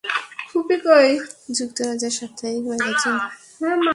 যুক্তরাজ্যের সাপ্তাহিক magazine Hello প্রকাশ করল তাঁদের বিয়ের বেশ কিছু ছবি।